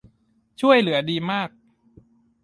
ช่วยเหลือดีมาก